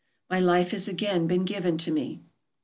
My life has again been given to me.